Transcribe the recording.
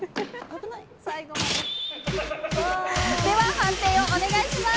判定をお願いします。